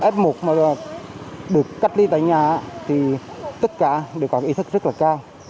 f một mà được cách ly tại nhà thì tất cả đều có ý thức rất là cao